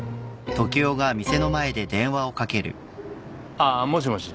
あーもしもし。